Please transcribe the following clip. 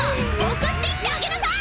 送ってってあげなさい！